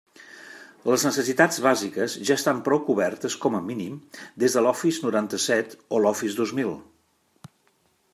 Les necessitats bàsiques ja estan prou cobertes, com a mínim, des de l'Office noranta-set o l'Office dos mil.